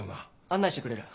案内してくれる？